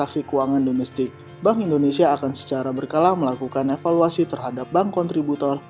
dan untuk melakukan evaluasi keuangan domestik bank indonesia akan secara berkelah melakukan evaluasi terhadap bank kontributor